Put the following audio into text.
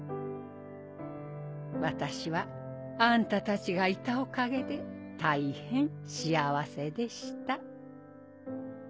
私はあんたたちがいたおかげで大変幸せでした」。